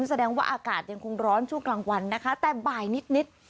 แสดงว่าอากาศยังคงร้อนช่วงกลางวันนะคะแต่บ่ายนิดนิด